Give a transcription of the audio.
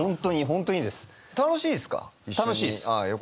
楽しいですか？